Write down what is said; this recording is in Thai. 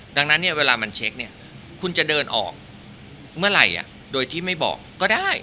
ดังนั้นเนี่ยเวลามันเช็คเนี่ยคุณจะเดินออกเมื่อไหร่โดยที่ไม่บอกก็ได้